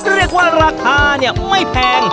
เรียกว่าราคาเนี่ยไม่แพง